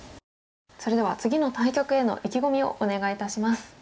それでは次の対局への意気込みをお願いいたします。